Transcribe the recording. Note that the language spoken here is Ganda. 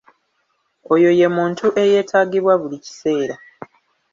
Oyo ye muntu eyeetaagibwanga buli kiseera.